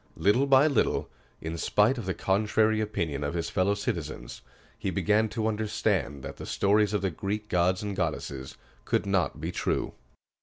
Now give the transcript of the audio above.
Little by little, in spite of the contrary opinion of his fellow citizens, he began to understand that the stories of the Greek gods and goddesses could not be true.